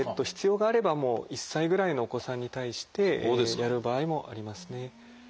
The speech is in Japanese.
必要があれば１歳ぐらいのお子さんに対してやる場合もありますね。